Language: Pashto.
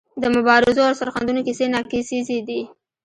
د مبارزو او سرښندنو کیسې ناکیسیزې دي.